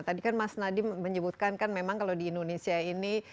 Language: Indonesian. tadi kan mas nadiem menyebutkan kan memang kalau di indonesia ini